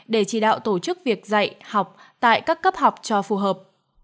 để chỉ đạo tổ chức việc dạy học tại các cấp học cho phù hợp